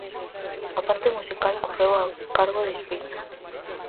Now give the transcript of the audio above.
A parte musical correu a cargo de Espiño.